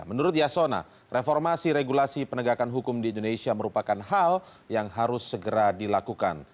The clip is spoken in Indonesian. menurut yasona reformasi regulasi penegakan hukum di indonesia merupakan hal yang harus segera dilakukan